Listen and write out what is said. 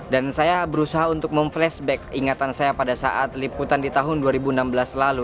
dan saya berusaha untuk mem flashback ingatan saya pada saat liputan di tahun dua ribu enam belas lalu